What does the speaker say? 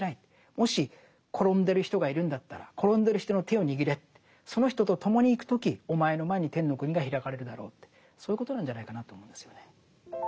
もし転んでる人がいるんだったら転んでる人の手を握れってその人と共に行く時お前の前に天の国が開かれるだろうってそういうことなんじゃないかなと思うんですよね。